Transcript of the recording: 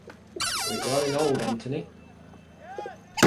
We're growing old, Antoni.